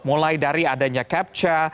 mulai dari adanya capture